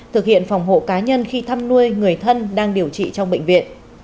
thực hiện phòng hộ cá nhân khi thăm nuôi người thân đang điều trị trong bệnh viện